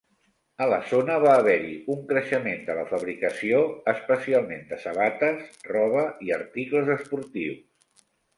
A la zona va haver-hi un creixement de la fabricació, especialment de sabates, roba i articles esportius.